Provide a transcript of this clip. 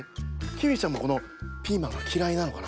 キーウィちゃんもこのピーマンがきらいなのかな？